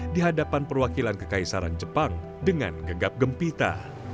di hadapan perwakilan kekaisaran jepang dengan gegap gempita